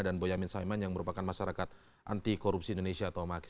dan boyamin saiman yang merupakan masyarakat anti korupsi indonesia atau makis